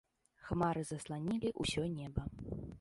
Хмары засланілі ўсё неба.